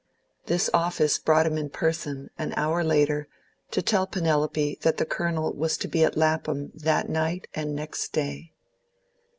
This office brought him in person, an hour later, to tell Penelope that the Colonel was to be at Lapham that night and next day.